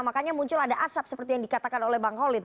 makanya muncul ada asap seperti yang dikatakan oleh bang holid